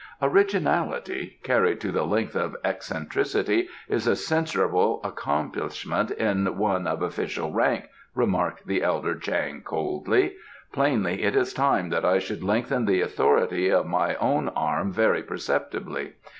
"Originality, carried to the length of eccentricity, is a censurable accomplishment in one of official rank," remarked the elder Chang coldly. "Plainly it is time that I should lengthen the authority of my own arm very perceptibly.